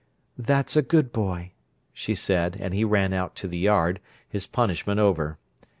"That's a good boy," she said, and he ran out to the yard, his punishment over.